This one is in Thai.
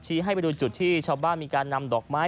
ให้ไปดูจุดที่ชาวบ้านมีการนำดอกไม้